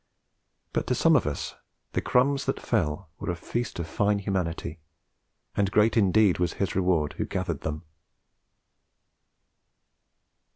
But to some of us the crumbs that fell were a feast of fine humanity, and great indeed was his reward who gathered them.